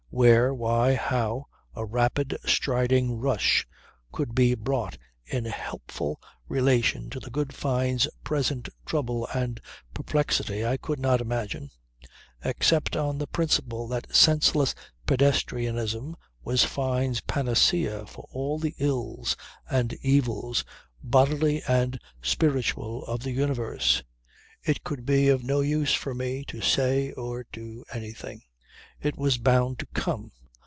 Where, why, how, a rapid striding rush could be brought in helpful relation to the good Fyne's present trouble and perplexity I could not imagine; except on the principle that senseless pedestrianism was Fyne's panacea for all the ills and evils bodily and spiritual of the universe. It could be of no use for me to say or do anything. It was bound to come.